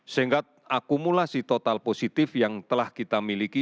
sehingga akumulasi total positif yang telah kita miliki